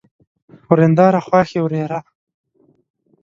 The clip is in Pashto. ورېنداره ، خواښې، ورېره